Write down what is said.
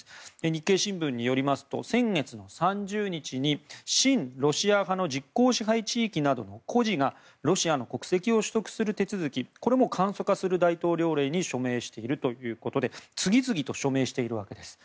日経新聞によりますと先月の３０日に親ロシア派の実効支配地域などの孤児がロシアの国籍を取得する手続きを簡素化する大統領令に署名しているということで次々と署名しているわけです。